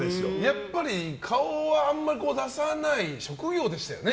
やっぱり顔はあんまり出さない職業でしたよね。